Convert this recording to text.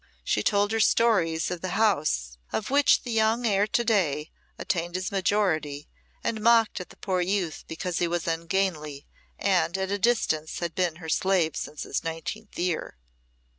She told her stories of the house of which the young heir to day attained his majority, and mocked at the poor youth because he was ungainly, and at a distance had been her slave since his nineteenth year.